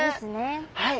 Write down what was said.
はい。